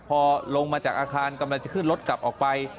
พอลงมาจากอาคารกำลังจะขึ้นรถกลับออกไป